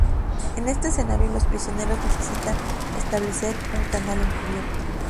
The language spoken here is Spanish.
En este escenario los prisioneros necesitan establecer un canal encubierto.